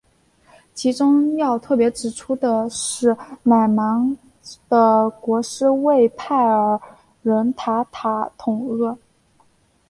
其中要特别指出的是乃蛮的国师畏兀儿人塔塔统阿。